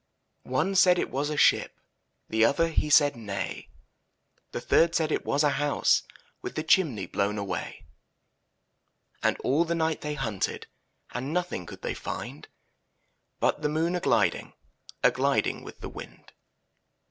One said it was a ship, The other, he said nay; The third said it was a hbuse. With the chimney blown away. And all the night they hunted. And nothing could they find But the moon a gliding, A gliding with the wind.